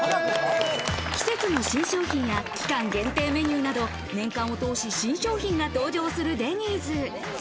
季節の新商品や期間限定メニューなど、年間を通し新商品が登場するデニーズ。